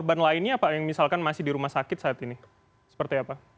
korban lainnya apa yang misalkan masih di rumah sakit saat ini seperti apa